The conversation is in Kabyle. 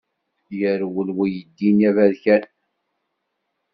Yerwel weydi-nni aberkan.